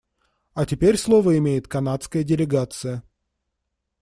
А теперь слово имеет канадская делегация.